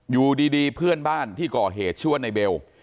อยู่ดีเพื่อนบ้านที่ก่อเหตุชื่อว่าในเบล